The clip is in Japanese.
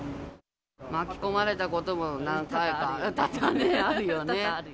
巻き込まれたことも、多々あるよね。